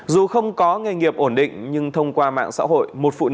dù không có nghề nghiệp ổn định nhưng thông qua mạng xã hội